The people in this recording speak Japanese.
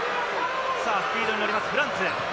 スピードにのります、フランツ。